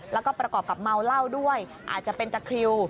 แล้วก็ประกอบกับเมาเหล้าด้วยอาจจะเป็นตะคริว